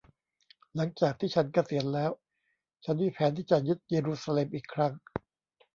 หลังจากที่ฉันเกษียณแล้ว ฉันมีแผนที่จะยึดเยรูซาเล็มอีกครั้ง